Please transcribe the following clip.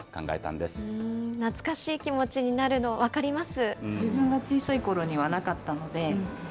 懐かしい気持ちになるの、分かります。